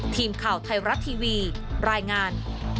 ทีมข่าวไทยรัฐทีวีรายงาน